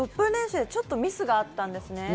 ６分間練習でちょっとミスがあったんですね。